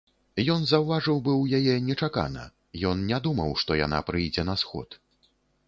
Ён заўважыў быў яе нечакана, ён не думаў, што яна прыйдзе на сход.